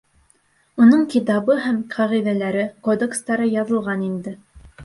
Уның китабы һәм ҡағиҙәләре, кодекстары яҙылған инде.